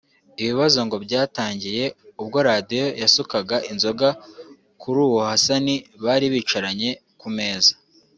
Ibibazo ngo byatangiye ubwo Radio yasukaga inzoga kuri uwo Hassan bari bicaranye ku meza